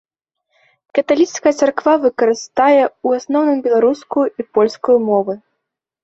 Каталіцкая царква выкарыстае ў асноўным беларускую і польскую мовы.